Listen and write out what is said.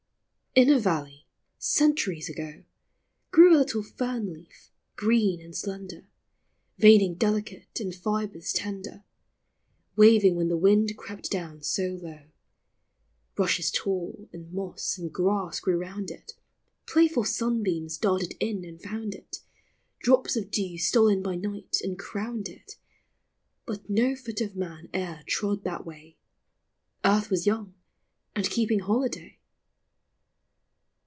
In a valley, centuries ago, Grew a little fern leaf, green and slender, Veining delicate and fibres tender; TIME. 201 Waving when the wind crept clown so low. Rushes tall, and moss, and grass grew round it, Playful sunbeams darted in and found it, Drops of dew stole in by night, and crowned it, But no foot of man e'er trod that way ; Earth was young, and keeping holiday.